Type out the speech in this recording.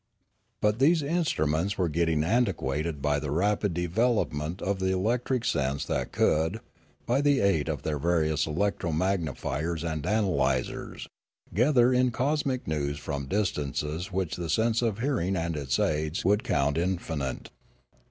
But these instruments were getting antiquated by the rapid development of the electric sense that could, by the aid of their various electro magnifiers and ana lysers, gather in cosmic news from distances which the sense of hearing and its aids would count infinite.